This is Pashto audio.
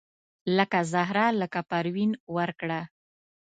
لکه زهره لکه پروین ورکړه